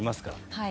はい。